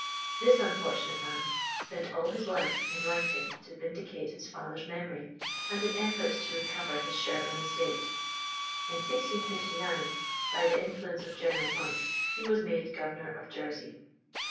This unfortunate man spent all his life in writing to vindicate his father's memory, and in efforts to recover his Sherborne estate. In 1659, by the influence of General Monk, he was made Governor of Jersey.